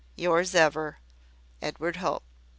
"Yours ever, "Edward Hope."